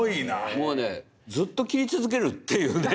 もうねずっと斬り続けるっていうね。